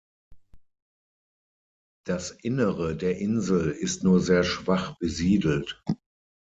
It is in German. Das Innere der Insel ist nur sehr schwach besiedelt.